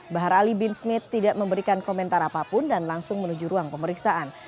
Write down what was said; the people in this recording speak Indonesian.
bahar ali bin smith tidak memberikan komentar apapun dan langsung menuju ruang pemeriksaan